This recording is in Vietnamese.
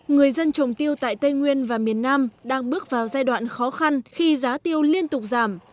người dân trồng tiêu tại tây nguyên và miền nam đang bước vào giai đoạn khó khăn khi giá tiêu liên tục giảm